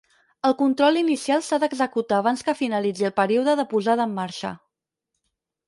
El control inicial s'ha d'executar abans que finalitzi el període de posada en marxa.